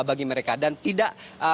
bagi mereka dan tidak